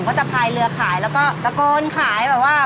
ก็จะพายเรือขายแล้วก็ตะโกนขายแบบว่า